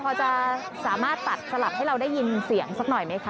พอจะสามารถตัดสลับให้เราได้ยินเสียงสักหน่อยไหมคะ